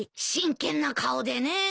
真剣な顔でね。